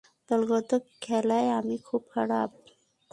দলগত খেলায় আমি খুব খারাপ।